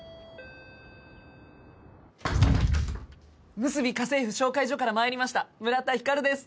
むすび家政婦紹介所から参りました村田光です！